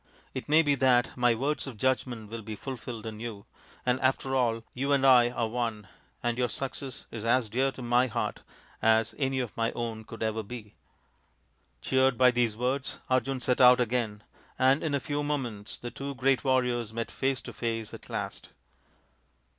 It may be that my words of judgment will be fulfilled in you, and after all you and I are one, and your success is as dear to my heart as any of my own could ever be." Cheered by these words, Arjun set out again, and in a few moments the two great warriors met face to face at last.